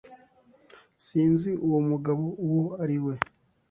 Sinzi uwo mugabo uwo ari we.